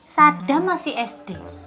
saddam masih sd